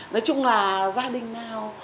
nói chung là gia đình nào